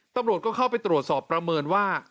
ตำรวจก็เข้าไปตรวจสอบประเมินว่า